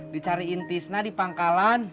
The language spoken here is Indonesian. dicariin tisna di pangkalan